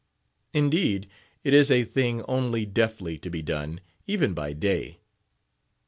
Indeed, it is a thing only deftly to be done, even by day.